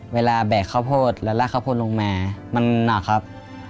แบกข้าวโพดแล้วลากข้าวโพดลงมามันหนักครับ